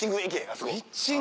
あそこ。